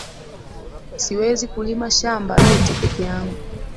Siwezi kulima shamba lote pekee yangu